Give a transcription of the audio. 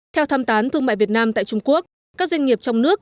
theo tham tán thương mại việt nam tại trung quốc các doanh nghiệp trong nước